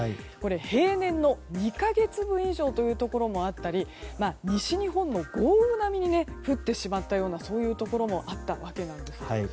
平年の２か月分以上というところもあったり西日本の豪雨並みに降ってしまったようなそういうところもあったわけなんです。